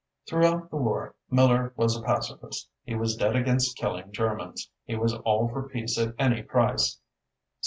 Throughout the war, Miller was a pacifist. He was dead against killing Germans. He was all for a peace at any price."